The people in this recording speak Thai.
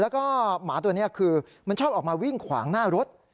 แล้วก็หมาตัวนี้คือมันชอบออกมาวิ่งขวางหน้ารถ